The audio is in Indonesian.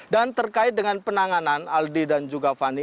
dan terkait dengan penanganan aldi dan juga fani